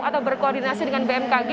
atau berkoordinasi dengan bmkg